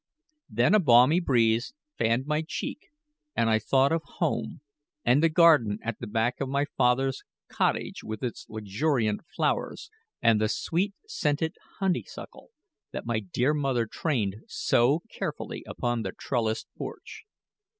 Then a balmy breeze fanned my cheek; and I thought of home, and the garden at the back of my father's cottage with its luxuriant flowers, and the sweet scented honeysuckle that my dear mother trained so carefully upon the trellised porch.